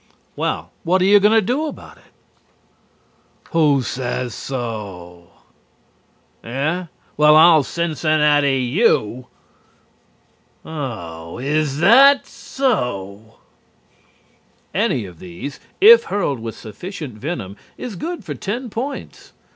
"Well, what are you going to do about it?" "Who says so?" "Eah? Well, I'll Cincinnati you." "Oh, is that so?" Any one of these, if hurled with sufficient venom, is good for ten points.